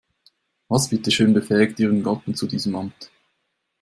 Was bitteschön befähigt ihren Gatten zu diesem Amt?